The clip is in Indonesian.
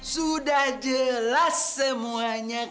sudah jelas semuanya kan